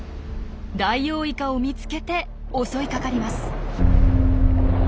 ダイオウイカを見つけて襲いかかります。